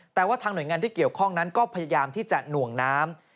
แต่ว่าทางหน่วยงานที่เกี่ยวข้องนั้นก็พยายามที่จะหน่วงน้ำ